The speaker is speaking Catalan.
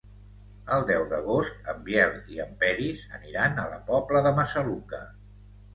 El deu d'agost en Biel i en Peris aniran a la Pobla de Massaluca.